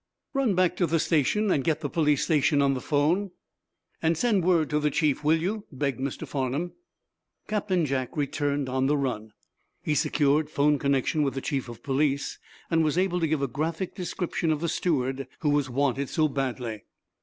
"Run back to the station, get the police station on the 'phone, and send word to the chief, will you?" begged Mr. Farnum. Captain Jack returned on the run. He secured 'phone connection with the chief of police, and was able to give a graphic description of the steward who was wanted so badly.